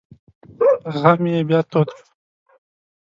غم یې بیا تود شو.